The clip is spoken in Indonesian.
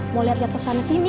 mau lihat lihat susahnya sini